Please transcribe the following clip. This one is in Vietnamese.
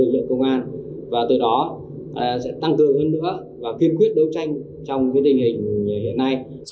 và từ đó sẽ tăng cường hơn nữa và kiên quyết đấu tranh trong tình hình hiện nay